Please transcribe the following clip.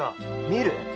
見る？